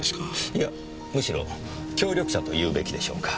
いやむしろ協力者というべきでしょうか。